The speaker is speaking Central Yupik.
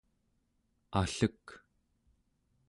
allek